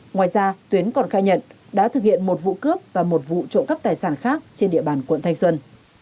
ngoài ra tuyến còn khai nhận đã thực hiện một vụ cướp và một vụ trộm cắp tài sản khác trên địa bàn quận thanh xuân